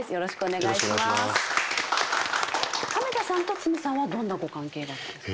亀田さんと筒美さんはどんなご関係だったんですか？